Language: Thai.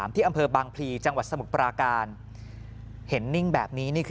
ที่อำเภอบางพลีจังหวัดสมุทรปราการเห็นนิ่งแบบนี้นี่คือ